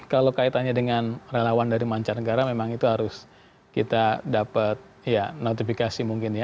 kalau kaitannya dengan relawan dari mancanegara memang itu harus kita dapat notifikasi mungkin ya